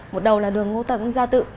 một đầu là đường ngô tân gia tự